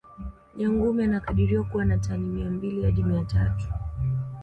nyangumi anakadiriwa kuwa na tani mia mbili hadi mia tatu